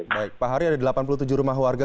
baik pak hari ada delapan puluh tujuh rumah warga